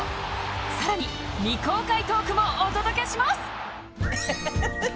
更に未公開トークもお届けします